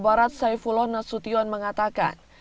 barat saifullah nasution mengatakan